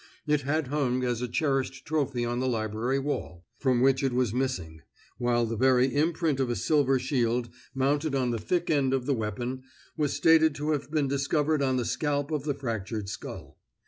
It had hung as a cherished trophy on the library wall, from which it was missing, while the very imprint of a silver shield, mounted on the thick end of the weapon, was stated to have been discovered on the scalp of the fractured skull.